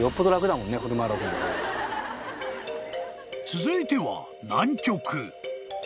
［続いては］